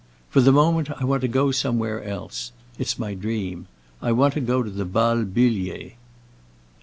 For the moment, I want to go somewhere else; it's my dream. I want to go to the Bal Bullier."